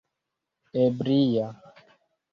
ebria